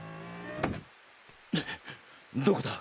どこだ？